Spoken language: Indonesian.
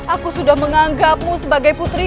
aku sudah menganggapmu sebagai putri